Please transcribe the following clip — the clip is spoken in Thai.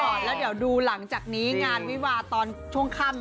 ก่อนแล้วเดี๋ยวดูหลังจากนี้งานวิวาตอนช่วงค่ำ